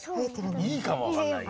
いいかもわかんないよ。